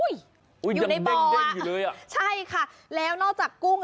อยู่ในเบาะใช่ค่ะแล้วนอกจากกุ้ง